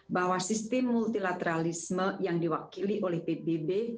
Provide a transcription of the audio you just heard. bahwa sistem multilateralisme yang diwakili oleh pbb